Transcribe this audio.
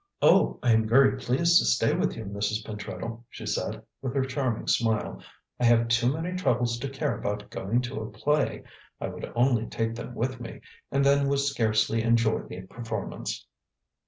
"Oh, I am very pleased to stay with you, Mrs. Pentreddle," she said, with her charming smile. "I have too many troubles to care about going to a play. I would only take them with me, and then would scarcely enjoy the performance."